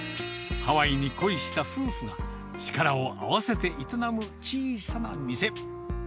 ハワイに恋した夫婦が、力を合わせて営む小さな店。